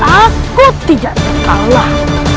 aku tidak terkalah